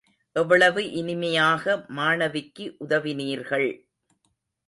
எவ்வளவு இனிமையாக மாணவிக்கு உதவினீர்கள்.